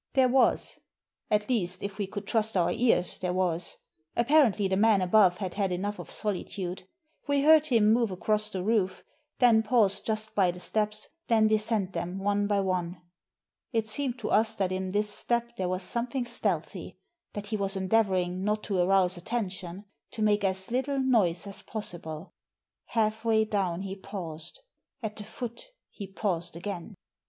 There was — at least, if we could trust our ears, there was. Apparently the man above had had enough of solitude. We heard him move across the roof, then pause just by the steps, then descend them one by one. It seemed to us that in this step there was something stealthy, that he was endeavour ing not to arouse attention, to make as little noise as possible. Half way down he paused ; at the foot he paused again.